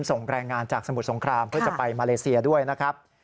ส่งแรงงานจากสมุทรสงครามเพื่อจะไปมาเลเซียด้วยนะครับ